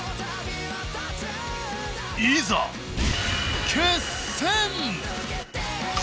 いざ決戦！